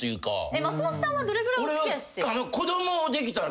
松本さんはどれぐらいお付き合いして。